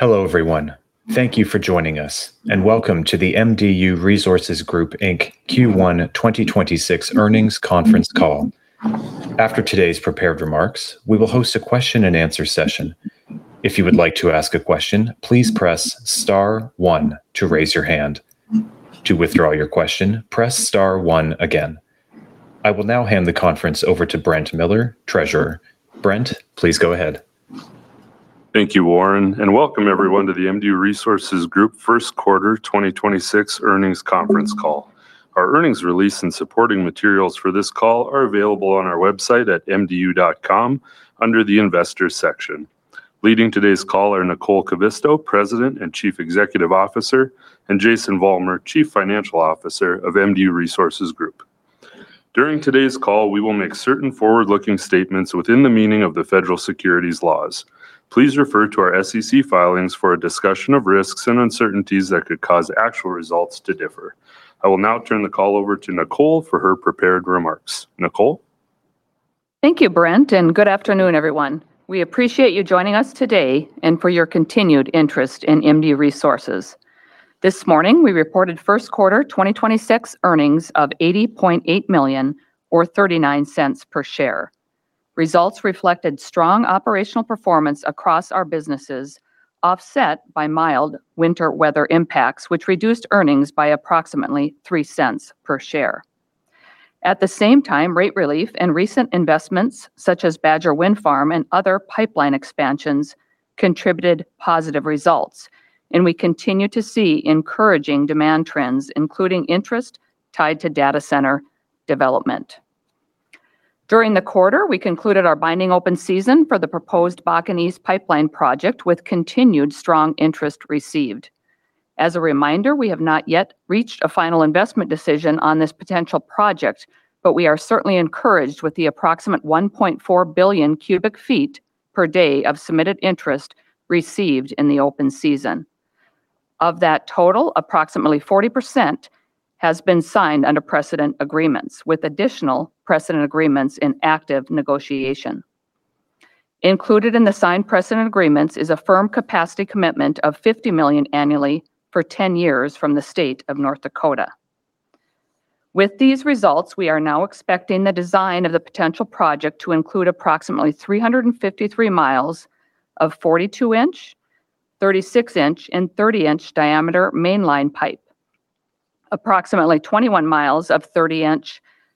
Hello, everyone. Thank you for joining us, and welcome to the MDU Resources Group, Inc Q1 2026 Earnings Conference Call. After today's prepared remarks, we will host a question-and-answer session. If you would like to ask a question please press star one to raise your hand. To withdraw your question press star one again. I will now hand the conference over to Brent Miller, Treasurer. Brent, please go ahead. Thank you, Warren, and welcome everyone to the MDU Resources Group first quarter 2026 earnings conference all. Our earnings release and supporting materials for this call are available on our website at mdu.com under the Investors section. Leading today's call are Nicole Kivisto, President and Chief Executive Officer, and Jason Vollmer, Chief Financial Officer of MDU Resources Group. During today's call, we will make certain forward-looking statements within the meaning of the federal securities laws. Please refer to our SEC filings for a discussion of risks and uncertainties that could cause actual results to differ. I will now turn the call over to Nicole for her prepared remarks. Nicole? Thank you, Brent, and good afternoon, everyone. We appreciate you joining us today and for your continued interest in MDU Resources. This morning, we reported first quarter 2026 earnings of $80.8 million or $0.39 per share. Results reflected strong operational performance across our businesses, offset by mild winter weather impacts, which reduced earnings by approximately $0.03 per share. At the same time, rate relief and recent investments, such as Badger Wind Farm and other pipeline expansions contributed positive results, and we continue to see encouraging demand trends, including interest tied to data center development. During the quarter, we concluded our binding open season for the proposed Bakken East Pipeline Project with continued strong interest received. As a reminder, we have not yet reached a final investment decision on this potential project, but we are certainly encouraged with the approximate 1,400,000,000 cu ft/day of submitted interest received in the open season. Of that total, approximately 40% has been signed under precedent agreements with additional precedent agreements in active negotiation. Included in the signed precedent agreements is a firm capacity commitment of $50 million annually for 10 years from the state of North Dakota. With these results, we are now expecting the design of the potential project to include approximately 353 mi of 42 in, 36 in, and 30 in diameter mainline pipe. Approximately 21 mi of 30 in,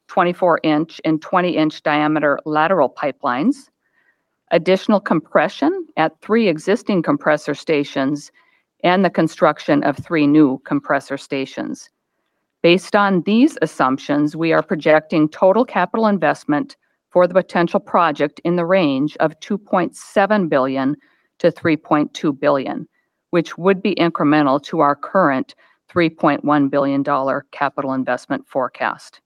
24 in, and 20 in diameter lateral pipelines, additional compression at three existing compressor stations, and the construction of three new compressor stations. Based on these assumptions, we are projecting total capital investment for the potential project in the range of $2.7 billion-$3.2 billion, which would be incremental to our current $3.1 billion capital investment forecast.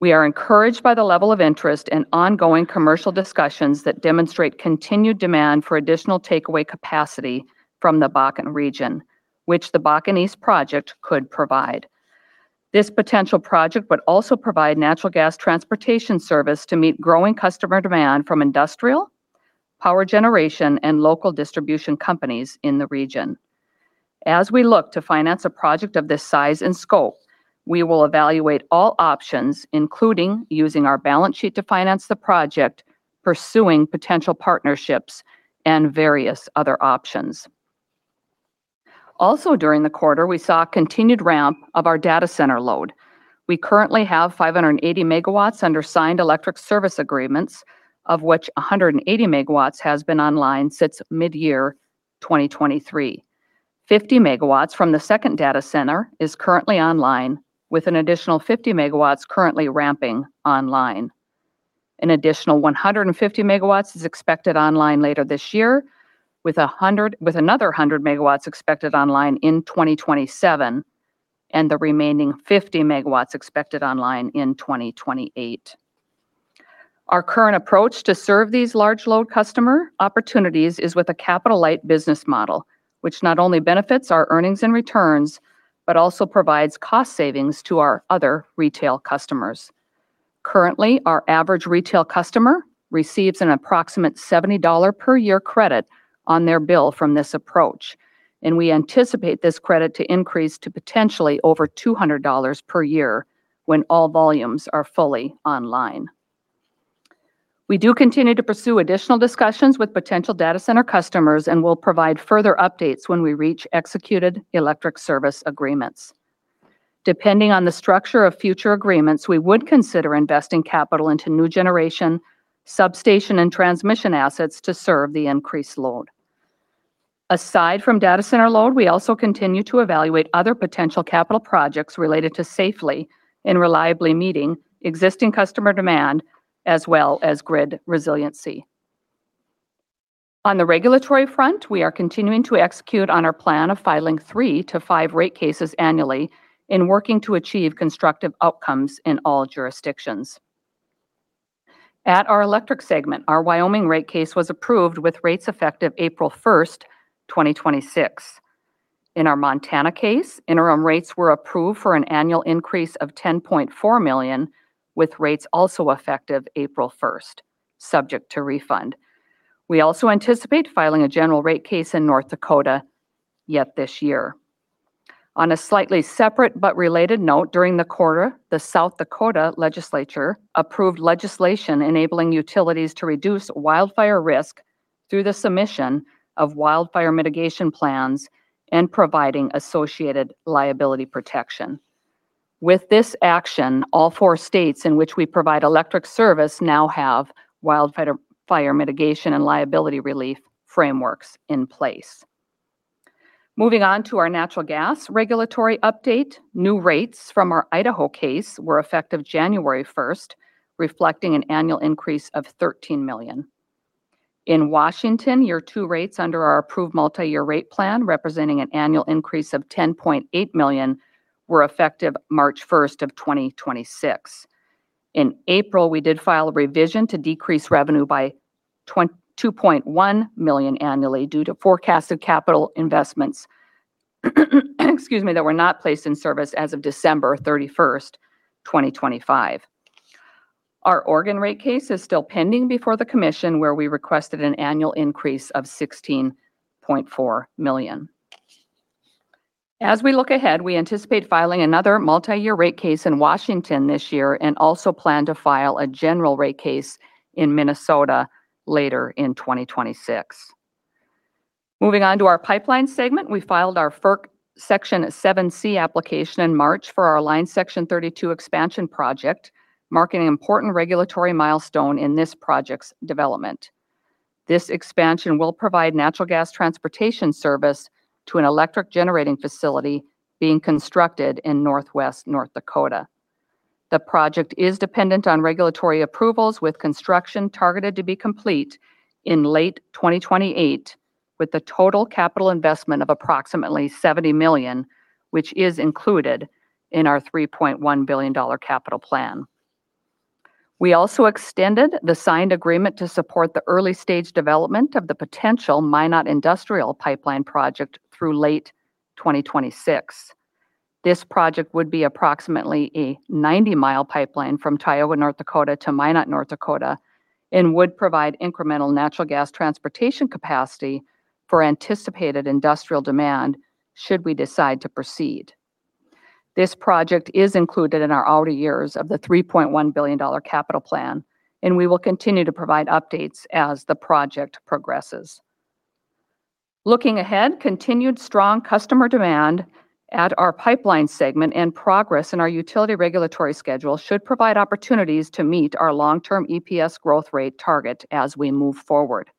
We are encouraged by the level of interest in ongoing commercial discussions that demonstrate continued demand for additional takeaway capacity from the Bakken region, which the Bakken East Project could provide. This potential project would also provide natural gas transportation service to meet growing customer demand from industrial, power generation, and Local Distribution Companies in the region. As we look to finance a project of this size and scope, we will evaluate all options, including using our balance sheet to finance the project, pursuing potential partnerships, and various other options. Also during the quarter, we saw a continued ramp of our data center load. We currently have 580 MW under signed electric service agreements, of which 180 MW has been online since midyear 2023. 50 MW from the second data center is currently online, with an additional 50 MW currently ramping online. An additional 150 MW is expected online later this year, with another 100 MW expected online in 2027, and the remaining 50 MW expected online in 2028. Our current approach to serve these large load customer opportunities is with a capital light business model, which not only benefits our earnings and returns, but also provides cost savings to our other retail customers. Currently, our average retail customer receives an approximate $70 per year credit on their bill from this approach, and we anticipate this credit to increase to potentially over $200 per year when all volumes are fully online. We do continue to pursue additional discussions with potential data center customers and will provide further updates when we reach executed electric service agreements. Depending on the structure of future agreements, we would consider investing capital into new generation, substation, and transmission assets to serve the increased load. Aside from data center load, we also continue to evaluate other potential capital projects related to safely and reliably meeting existing customer demand as well as grid resiliency. On the regulatory front, we are continuing to execute on our plan of filing three to five rate cases annually and working to achieve constructive outcomes in all jurisdictions. At our electric segment, our Wyoming rate case was approved with rates effective April 1st, 2026. In our Montana case, interim rates were approved for an annual increase of $10.4 million, with rates also effective April 1st, subject to refund. We also anticipate filing a general rate case in North Dakota yet this year. On a slightly separate but related note, during the quarter, the South Dakota legislature approved legislation enabling utilities to reduce wildfire risk through the submission of Wildfire Mitigation Plans and providing associated liability protection. With this action, all four states in which we provide electric service now have wildfire mitigation and liability relief frameworks in place. Moving on to our natural gas regulatory update, new rates from our Idaho case were effective January 1st, reflecting an annual increase of $13 million. In Washington, year two rates under our approved multi-year rate plan, representing an annual increase of $10.8 million, were effective March 1st, 2026. In April, we did file a revision to decrease revenue by $2.1 million annually due to forecasted capital investments, excuse me, that were not placed in service as of December 31st, 2025. Our Oregon rate case is still pending before the commission, where we requested an annual increase of $16.4 million. As we look ahead, we anticipate filing another multi-year rate case in Washington this year and also plan to file a general rate case in Minnesota later in 2026. Moving on to our pipeline segment, we filed our FERC Section 7(c) application in March for our Line Section 32 Expansion Project, marking an important regulatory milestone in this project's development. This expansion will provide natural gas transportation service to an electric generating facility being constructed in Northwest North Dakota. The project is dependent on regulatory approvals, with construction targeted to be complete in late 2028, with a total capital investment of approximately $70 million, which is included in our $3.1 billion capital plan. We also extended the signed agreement to support the early stage development of the potential Minot Industrial Pipeline Project through late 2026. This project would be approximately a 90 mi pipeline from Tioga, North Dakota to Minot, North Dakota and would provide incremental natural gas transportation capacity for anticipated industrial demand should we decide to proceed. This project is included in our outer years of the $3.1 billion capital plan. We will continue to provide updates as the project progresses. Looking ahead, continued strong customer demand at our pipeline segment and progress in our utility regulatory schedule should provide opportunities to meet our long-term EPS growth rate target as we move forward.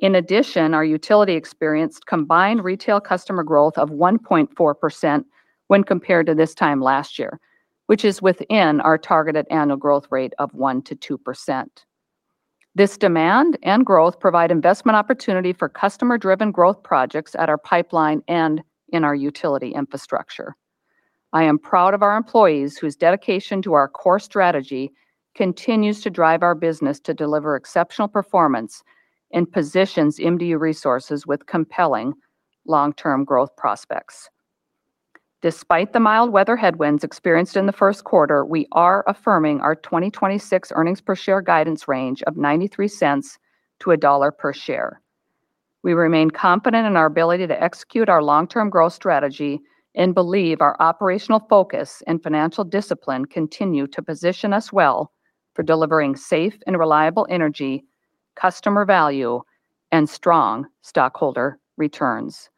In addition, our utility experienced combined retail customer growth of 1.4% when compared to this time last year, which is within our targeted annual growth rate of 1%-2%. This demand and growth provide investment opportunity for customer-driven growth projects at our pipeline and in our utility infrastructure. I am proud of our employees, whose dedication to our core strategy continues to drive our business to deliver exceptional performance and positions MDU Resources with compelling long-term growth prospects. Despite the mild weather headwinds experienced in the first quarter, we are affirming our 2026 earnings per share guidance range of $0.93-$1.00 per share. We remain confident in our ability to execute our long-term growth strategy and believe our operational focus and financial discipline continue to position us well for delivering safe and reliable energy, customer value, and strong stockholder returns.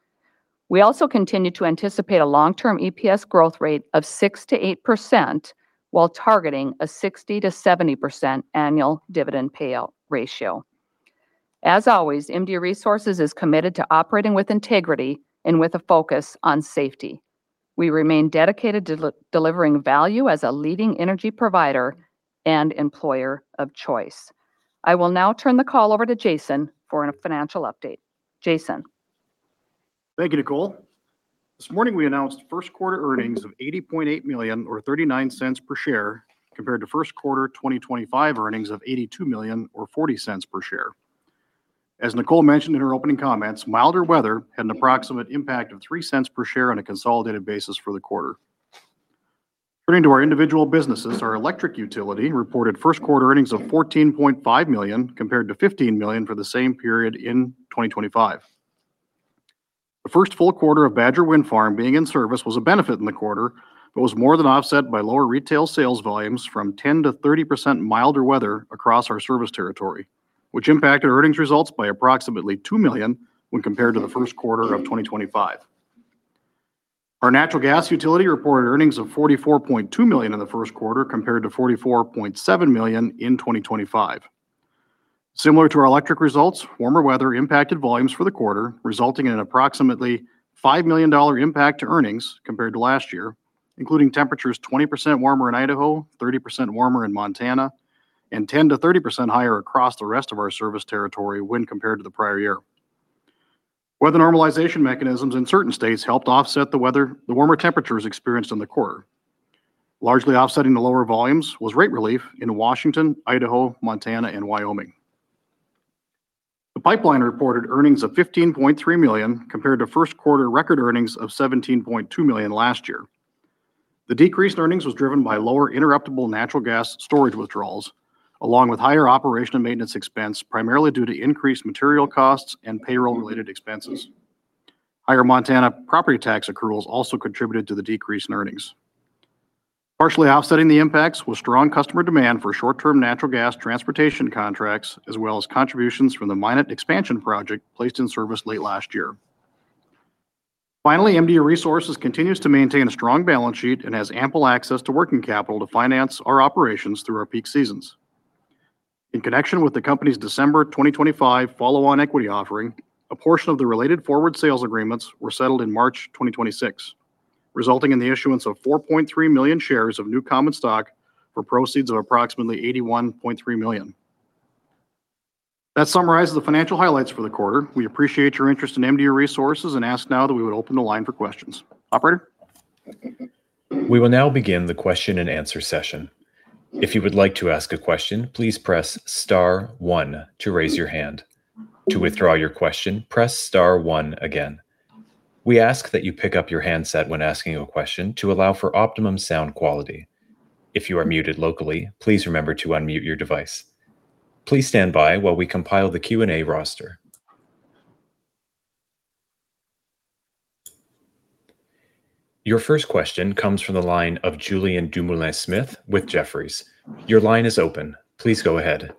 We also continue to anticipate a long-term EPS growth rate of 6%-8% while targeting a 60%-70% annual dividend payout ratio. As always, MDU Resources is committed to operating with integrity and with a focus on safety. We remain dedicated to delivering value as a leading energy provider and employer of choice. I will now turn the call over to Jason for a financial update. Jason. Thank you, Nicole. This morning, we announced first quarter earnings of $80.8 million or $0.39 per share, compared to first quarter 2025 earnings of $82 million or $0.40 per share. As Nicole mentioned in her opening comments, milder weather had an approximate impact of $0.03 per share on a consolidated basis for the quarter. Turning to our individual businesses, our electric utility reported first quarter earnings of $14.5 million, compared to $15 million for the same period in 2025. The first full quarter of Badger Wind Farm being in service was a benefit in the quarter, but was more than offset by lower retail sales volumes from 10%-30% milder weather across our service territory, which impacted earnings results by approximately $2 million when compared to the first quarter of 2025. Our natural gas utility reported earnings of $44.2 million in the first quarter, compared to $44.7 million in 2025. Similar to our electric results, warmer weather impacted volumes for the quarter, resulting in an approximately $5 million impact to earnings compared to last year, including temperatures 20% warmer in Idaho, 30% warmer in Montana, and 10%-30% higher across the rest of our service territory when compared to the prior year. Weather normalization mechanisms in certain states helped offset the warmer temperatures experienced in the quarter. Largely offsetting the lower volumes was rate relief in Washington, Idaho, Montana, and Wyoming. The pipeline reported earnings of $15.3 million compared to first quarter record earnings of $17.2 million last year. The decreased earnings was driven by lower interruptible natural gas storage withdrawals, along with higher operation and maintenance expense, primarily due to increased material costs and payroll-related expenses. Higher Montana property tax accruals also contributed to the decrease in earnings. Partially offsetting the impacts was strong customer demand for short-term natural gas transportation contracts, as well as contributions from the Minot Expansion Project placed in service late last year. Finally, MDU Resources continues to maintain a strong balance sheet and has ample access to working capital to finance our operations through our peak seasons. In connection with the company's December 2025 follow-on equity offering, a portion of the related forward sales agreements were settled in March 2026, resulting in the issuance of 4.3 million shares of new common stock for proceeds of approximately $81.3 million. That summarizes the financial highlights for the quarter. We appreciate your interest in MDU Resources and ask now that we would open the line for questions. Operator? We will now begin the question-and-answer session. If you would like to ask a question please press star one to raise your hand. To withdraw your question press star one again. We ask you to pick up your handset when asking a question to allow for optimum sound quality. If you muted locally please remember to unmute your device. Please standby while we compile the Q&A roster. Your first question comes from the line of Julien Dumoulin-Smith with Jefferies. Your line is open. Please go ahead.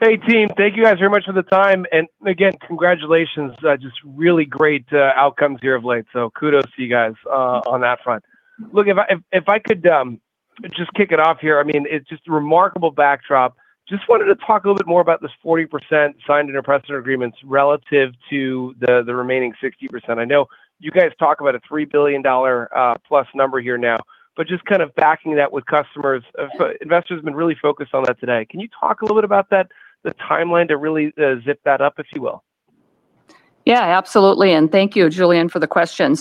Hey, team. Thank you guys very much for the time. Again, congratulations. Just really great outcomes here of late, so kudos to you guys on that front. Look, if I could just kick it off here. I mean, it's just a remarkable backdrop. Just wanted to talk a little bit more about this 40% signed and impressive agreements relative to the remaining 60%. I know you guys talk about a $3 billion+ number here now. Just kind of backing that with customers. Investors have been really focused on that today. Can you talk a little bit about that, the timeline to really zip that up, if you will? Yeah, absolutely, thank you, Julien, for the question.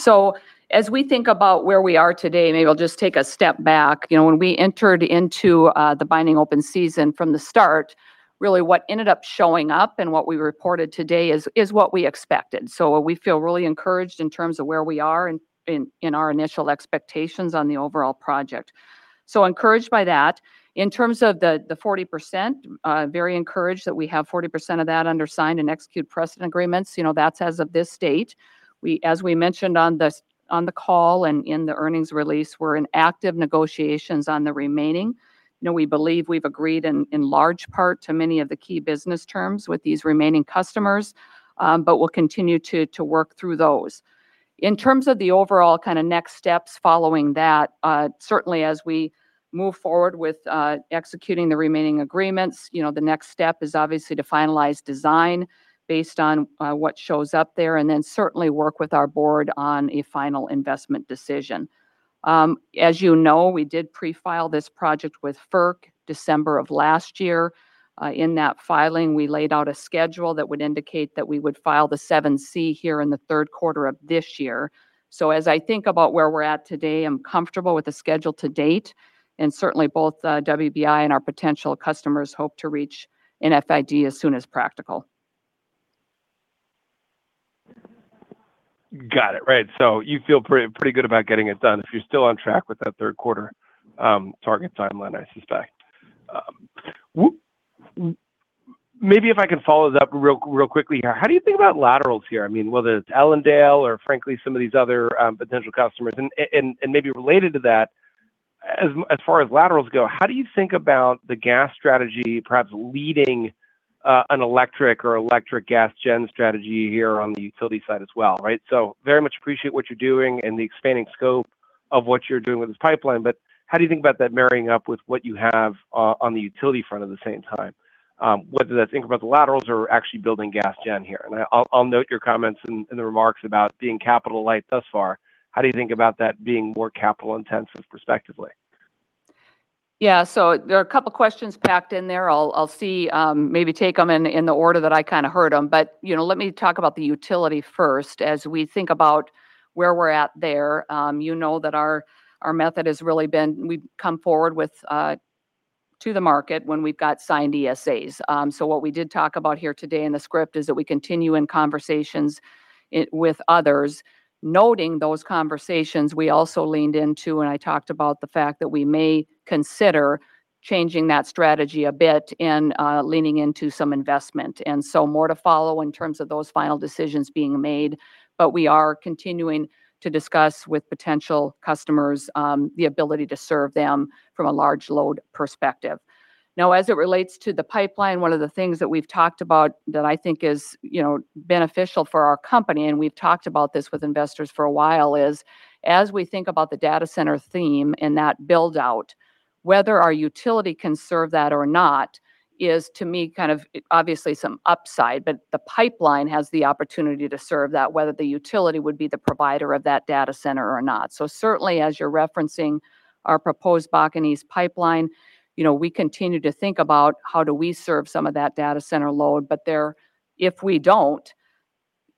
As we think about where we are today, maybe I'll just take a step back. You know, when we entered into the binding open season from the start, really what ended up showing up and what we reported today is what we expected. We feel really encouraged in terms of where we are in our initial expectations on the overall project. Encouraged by that. In terms of the 40%, very encouraged that we have 40% of that under signed and execute precedent agreements. You know, that's as of this date. As we mentioned on the call and in the earnings release, we're in active negotiations on the remaining. You know, we believe we've agreed in large part to many of the key business terms with these remaining customers, but we'll continue to work through those. In terms of the overall kind of next steps following that, certainly as we move forward with executing the remaining agreements, you know, the next step is obviously to finalize design based on what shows up there, and then certainly work with our Board on a final investment decision. As you know, we did pre-file this project with FERC December of last year. In that filing, we laid out a schedule that would indicate that we would file the 7(c) here in the third quarter of this year. As I think about where we're at today, I'm comfortable with the schedule to date, and certainly both WBI and our potential customers hope to reach an FID as soon as practical. Got it. Right. You feel pretty good about getting it done if you're still on track with that third quarter target timeline, I suspect. Maybe if I can follow this up real quickly here. How do you think about laterals here? I mean, whether it's Ellendale or frankly some of these other potential customers. Maybe related to that, as far as laterals go, how do you think about the gas strategy perhaps leading an electric or electric gas gen strategy here on the utility side as well, right? Very much appreciate what you're doing and the expanding scope of what you're doing with this pipeline, but how do you think about that marrying up with what you have on the utility front at the same time? Whether that's think about the laterals or actually building gas gen here. I'll note your comments and the remarks about being capital light thus far. How do you think about that being more capital intensive perspectively? Yeah. There are a couple questions packed in there. I'll see, maybe take them in the order that I kinda heard them. You know, let me talk about the utility first. As we think about where we're at there, you know that our method has really been we've come forward with to the market when we've got signed ESAs. What we did talk about here today in the script is that we continue in conversations with others. Noting those conversations, we also leaned into, and I talked about the fact that we may consider changing that strategy a bit and leaning into some investment. More to follow in terms of those final decisions being made, but we are continuing to discuss with potential customers, the ability to serve them from a large load perspective. As it relates to the pipeline, one of the things that we've talked about that I think is, you know, beneficial for our company, and we've talked about this with investors for a while, is as we think about the data center theme and that build-out, whether our utility can serve that or not is, to me, kind of obviously some upside. The pipeline has the opportunity to serve that, whether the utility would be the provider of that data center or not. Certainly, as you're referencing our proposed Bakken East Pipeline, you know, we continue to think about how do we serve some of that data center load. There, if we don't,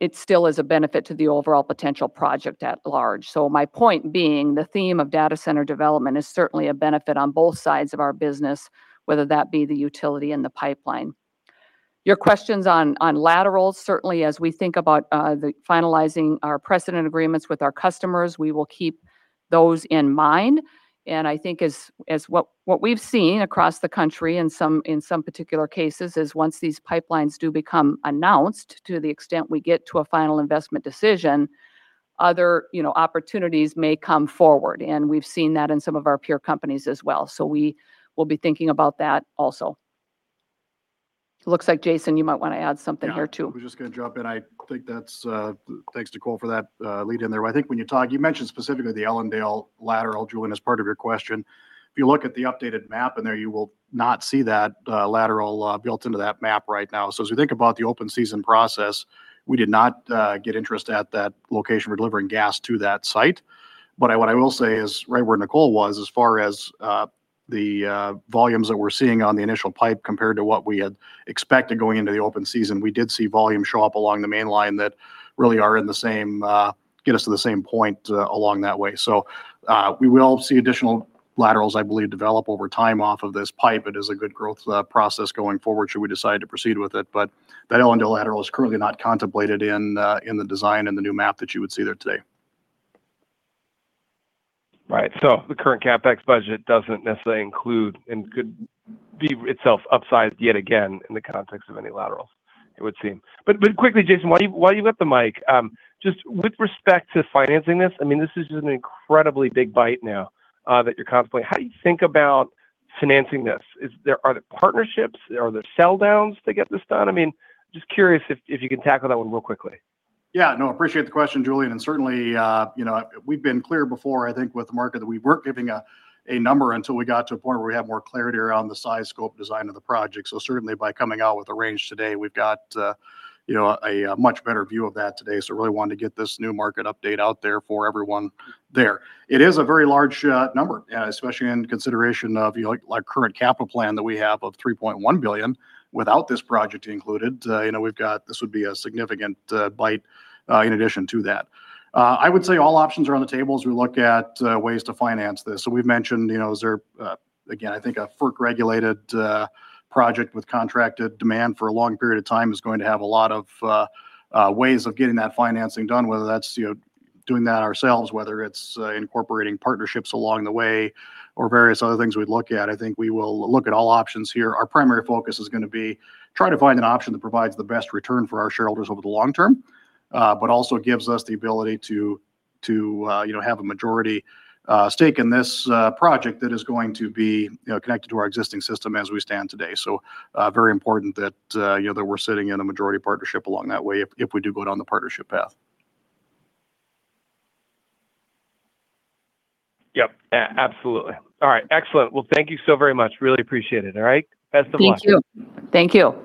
it still is a benefit to the overall potential project at large. My point being, the theme of data center development is certainly a benefit on both sides of our business, whether that be the utility and the pipeline. Your questions on laterals, certainly as we think about the finalizing our precedent agreements with our customers, we will keep those in mind. I think as what we've seen across the country in some particular cases is once these pipelines do become announced, to the extent we get to a final investment decision, other, you know, opportunities may come forward, and we've seen that in some of our peer companies as well. We will be thinking about that also. Looks like Jason, you might wanna add something here too. I was just gonna jump in. I think that's, thanks Nicole for that, lead in there. I think when you talk, you mentioned specifically the Ellendale lateral, Julien, as part of your question. If you look at the updated map in there, you will not see that lateral built into that map right now. As we think about the open season process, we did not get interest at that location for delivering gas to that site. What I will say is, right where Nicole was as far as the volumes that we're seeing on the initial pipe compared to what we had expected going into the open season, we did see volume show up along the main line that really are in the same, get us to the same point along that way. We will see additional laterals, I believe, develop over time off of this pipe. It is a good growth process going forward should we decide to proceed with it. That Ellendale lateral is currently not contemplated in the design and the new map that you would see there today. The current CapEx budget doesn't necessarily include, and could be itself upsized yet again in the context of any laterals, it would seem. Quickly, Jason, while you have the mic, just with respect to financing this, I mean, this is just an incredibly big bite now that you're contemplating. How do you think about financing this? Are there partnerships? Are there sell downs to get this done? I mean, just curious if you can tackle that one real quickly. Yeah, no, appreciate the question, Julien. Certainly, you know, we've been clear before, I think, with the market that we weren't giving a number until we got to a point where we have more clarity around the size, scope, design of the project. Certainly by coming out with a range today, we've got, you know, a much better view of that today. Really wanted to get this new market update out there for everyone there. It is a very large number, especially in consideration of, you know, like current capital plan that we have of $3.1 billion without this project included. You know, we've got this would be a significant bite in addition to that. I would say all options are on the table as we look at ways to finance this. We've mentioned, you know, is there, again, I think a FERC-regulated project with contracted demand for a long period of time is going to have a lot of ways of getting that financing done, whether that's, you know, doing that ourselves, whether it's incorporating partnerships along the way or various other things we'd look at. I think we will look at all options here. Our primary focus is gonna be try to find an option that provides the best return for our shareholders over the long term, but also gives us the ability to, you know, have a majority stake in this project that is going to be, you know, connected to our existing system as we stand today. Very important that, you know, that we're sitting in a majority partnership along that way if we do go down the partnership path. Yep. Absolutely. All right. Excellent. Thank you so very much. Really appreciate it. All right. Best of luck. Thank you. Thank you.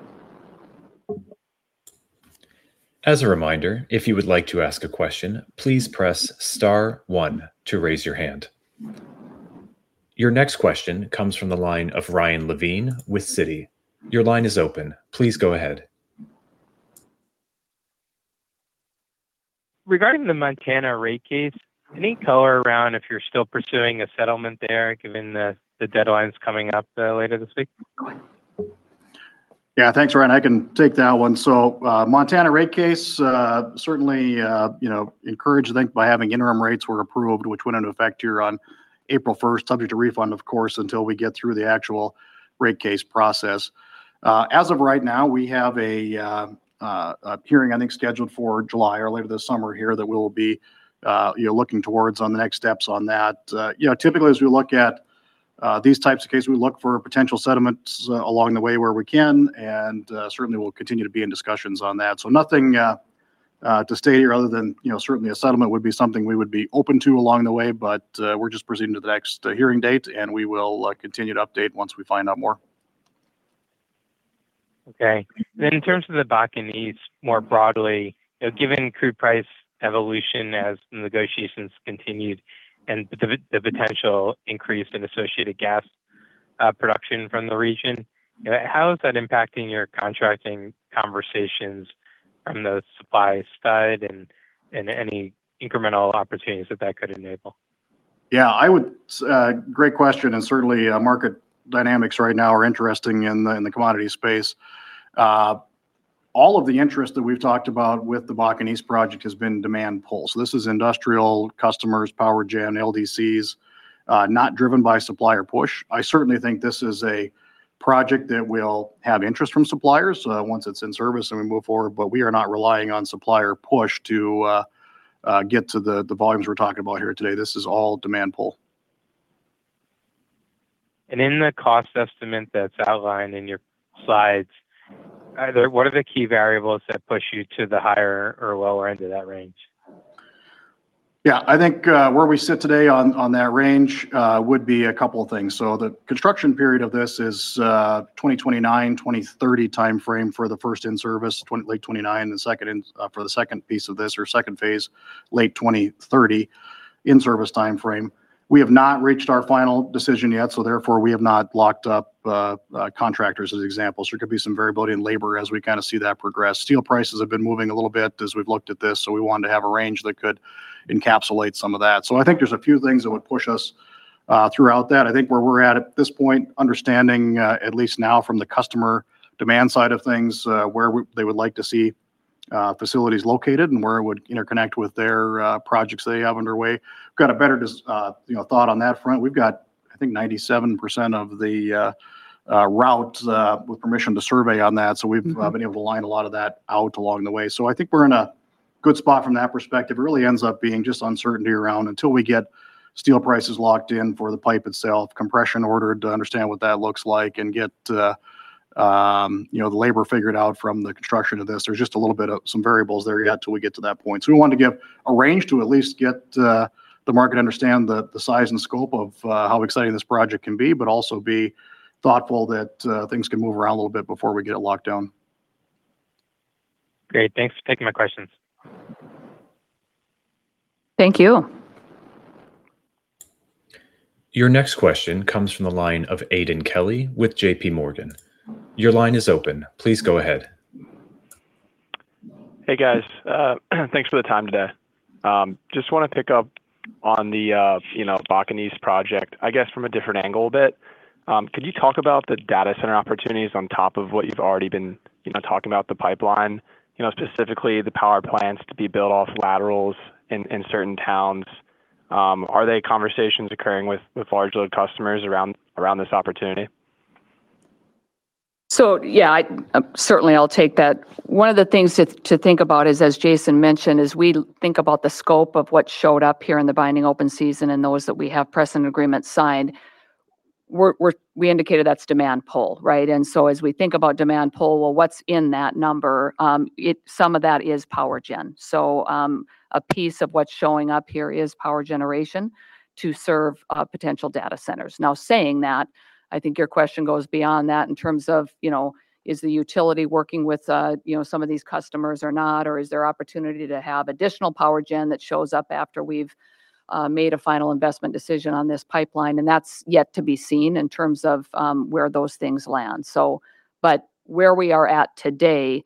As a reminder, if you would like to ask a question, please press star one to raise your hand. Your next question comes from the line of Ryan Levine with Citi. Your line is open. Please go ahead. Regarding the Montana rate case, any color around if you're still pursuing a settlement there given the deadline's coming up, later this week? Go ahead. Yeah. Thanks, Ryan. I can take that one. Montana rate case, certainly, you know, encouraged, I think, by having interim rates were approved, which went into effect here on April 1st, subject to refund, of course, until we get through the actual rate case process. As of right now, we have a hearing, I think, scheduled for July or later this summer here that we'll be, you know, looking towards on the next steps on that. You know, typically as we look at these types of case, we look for potential settlements along the way where we can and certainly we'll continue to be in discussions on that. Nothing to state here other than, you know, certainly a settlement would be something we would be open to along the way, but we're just proceeding to the next hearing date, and we will continue to update once we find out more. Okay. In terms of the Bakken East more broadly, you know, given crude price evolution as negotiations continued and the potential increase in associated gas production from the region, how is that impacting your contracting conversations from the supply side and any incremental opportunities that that could enable? Great question, and certainly, market dynamics right now are interesting in the commodity space. All of the interest that we've talked about with the Bakken East project has been demand pull. This is industrial customers, power gen, LDCs, not driven by supplier push. I certainly think this is a project that will have interest from suppliers, once it's in service and we move forward. We are not relying on supplier push to get to the volumes we're talking about here today. This is all demand pull. In the cost estimate that's outlined in your slides, either what are the key variables that push you to the higher or lower end of that range? Yeah. I think, where we sit today on that range, would be a couple of things. The construction period of this is 2029, 2030 timeframe for the first in-service, late 2029, the second in for the second piece of this or second phase, late 2030 in-service timeframe. We have not reached our final decision yet. Therefore, we have not locked up contractors as examples. There could be some variability in labor as we kind of see that progress. Steel prices have been moving a little bit as we've looked at this. We wanted to have a range that could encapsulate some of that. I think there's a few things that would push us throughout that. I think where we're at this point, understanding, at least now from the customer demand side of things, where they would like to see facilities located and where it would interconnect with their projects they have underway. We've got a better, you know, thought on that front. We've got, I think, 97% of the route with permission to survey on that. Been able to line a lot of that out along the way. I think we're in a good spot from that perspective. It really ends up being just uncertainty around until we get steel prices locked in for the pipe itself, compression ordered to understand what that looks like, and get, you know, the labor figured out from the construction of this. There's just a little bit of some variables there yet till we get to that point. We wanted to give a range to at least get the market understand the size and scope of how exciting this project can be, but also be thoughtful that things can move around a little bit before we get it locked down. Great. Thanks for taking my questions. Thank you. Your next question comes from the line of Aidan Kelly with JPMorgan. Your line is open. Please go ahead. Hey, guys. Thanks for the time today. Just wanna pick up on the, you know, Bakken East project, I guess from a different angle a bit. Could you talk about the data center opportunities on top of what you've already been, you know, talking about the pipeline, you know, specifically the power plants to be built off laterals in certain towns. Are they conversations occurring with large load customers around this opportunity? Yeah, I certainly I'll take that. One of the things to think about is, as Jason mentioned, is we think about the scope of what showed up here in the binding open season and those that we have precedent agreement signed. We indicated that's demand pull, right? As we think about demand pull, well, what's in that number? Some of that is power gen. A piece of what's showing up here is power generation to serve potential data centers. I think your question goes beyond that in terms of, you know, is the utility working with, you know, some of these customers or not, or is there opportunity to have additional power gen that shows up after we've made a final investment decision on this pipeline, and that's yet to be seen in terms of where those things land. Where we are at today,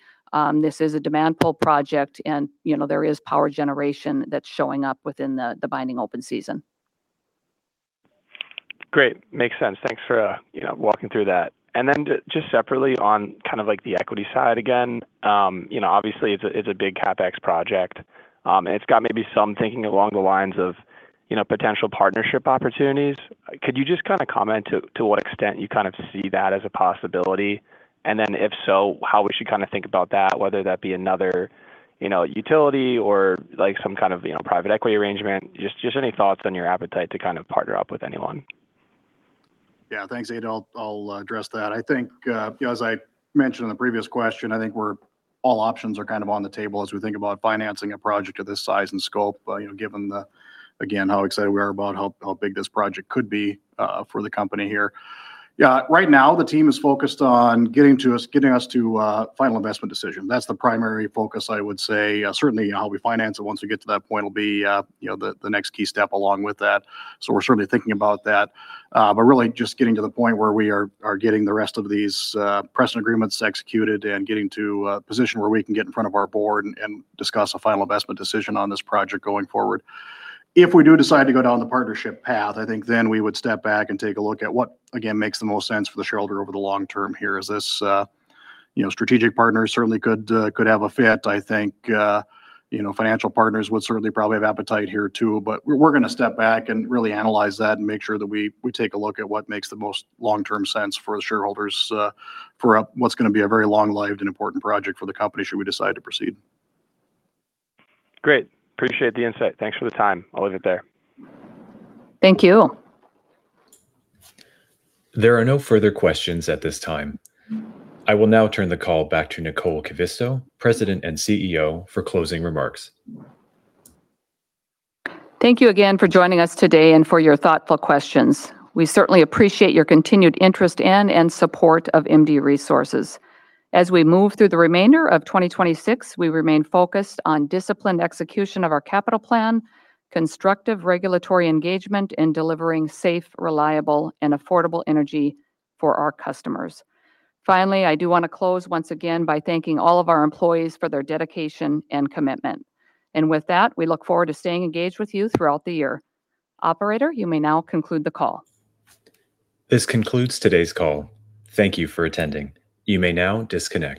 this is a demand pull project and, you know, there is power generation that's showing up within the binding open season. Great. Makes sense. Thanks for, you know, walking through that. Just separately on kind of like the equity side again, you know, obviously it's a big CapEx project. It's got maybe some thinking along the lines of, you know, potential partnership opportunities. Could you just kinda comment to what extent you kind of see that as a possibility? If so, how we should kinda think about that, whether that be another, you know, utility or, like, some kind of, you know, private equity arrangement. Just any thoughts on your appetite to kind of partner up with anyone. Yeah. Thanks, Aidan. I'll address that. You know, as I mentioned in the previous question, I think we're all options are kind of on the table as we think about financing a project of this size and scope, you know, given the again, how excited we are about how big this project could be for the company here. Right now, the team is focused on getting us to a final investment decision. That's the primary focus, I would say. Certainly, how we finance it once we get to that point will be, you know, the next key step along with that. We're certainly thinking about that. But really just getting to the point where we are getting the rest of these precedent agreements executed and getting to a position where we can get in front of our Board and discuss a final investment decision on this project going forward. If we do decide to go down the partnership path, I think then we would step back and take a look at what, again, makes the most sense for the shareholder over the long term here. Is this, you know, strategic partners certainly could have a fit. I think, you know, financial partners would certainly probably have appetite here too, but we're going to step back and really analyze that and make sure that we take a look at what makes the most long-term sense for the shareholders, for what's going to be a very long-lived and important project for the company should we decide to proceed. Great. Appreciate the insight. Thanks for the time. I'll leave it there. Thank you. There are no further questions at this time. I will now turn the call back to Nicole Kivisto, President and CEO, for closing remarks. Thank you again for joining us today and for your thoughtful questions. We certainly appreciate your continued interest in and support of MDU Resources. As we move through the remainder of 2026, we remain focused on disciplined execution of our capital plan, constructive regulatory engagement, and delivering safe, reliable, and affordable energy for our customers. Finally, I do wanna close once again by thanking all of our employees for their dedication and commitment. With that, we look forward to staying engaged with you throughout the year. Operator, you may now conclude the call. This concludes today's call. Thank you for attending. You may now disconnect.